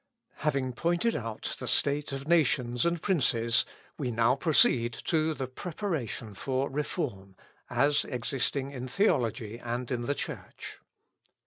Having pointed out the state of nations and princes, we now proceed to the preparation for Reform, as existing in Theology and in the Church.